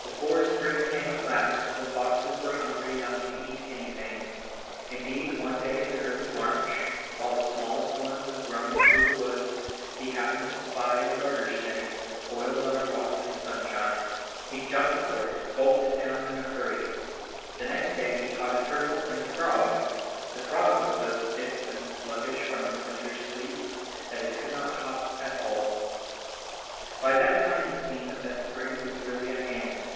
Before spring came at last the foxes were hungry enough to eat anything. Indeed one day in early March, while the smallest one was roaming through the woods, he happened to spy a garter snake coiled on a rock in the sunshine. He jumped for it and gulped it down in a hurry. The next day he caught a turtle and a frog. The frog was so stiff and sluggish from its winter's sleep that it could not hop at all. By that time it seemed that spring was really at hand.